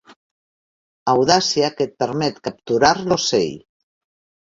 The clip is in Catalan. Audàcia que et permet capturar l'ocell.